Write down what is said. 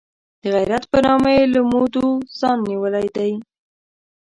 د غیرت په نامه یې له مودو ځان نیولی دی.